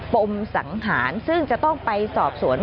ปมสังหารซึ่งจะต้องไปสอบสวน